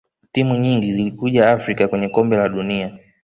timu nyingi zilikuja afrika kwenye kombe la dunia